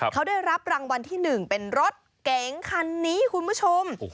เขาได้รับรางวัลที่๑เป็นรถเก๋งคันนี้คุณผู้ชม